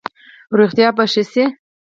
روغتیا به ښه شي؟